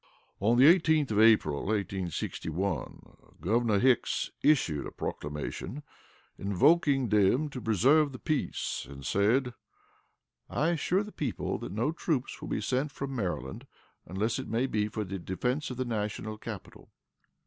On the 18th of April, 1861, Governor Hicks issued a proclamation invoking them to preserve the peace, and said, "I assure the people that no troops will be sent from Maryland, unless it may be for the defense of the national capital."